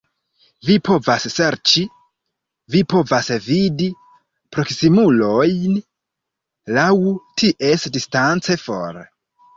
Vi povas serĉi... vi povas vidi proksimulojn laŭ ties distance for